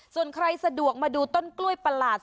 ส่วนใครสะดวกมาดูต้นกล้วยประหลาด